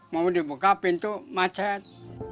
mau dibuka pintu macet